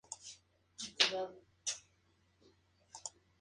Se encuentra en el norte de Argentina, Bolivia, y en Brasil y Paraguay.